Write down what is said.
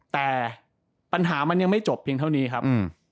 แต่ปัญหามันยังไม่จบเพียงเท่านี้ครับ